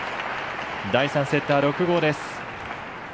第３セットは６−５です。